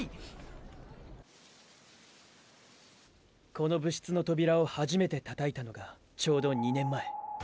この部室の扉を初めてたたいたのがちょうど２年前。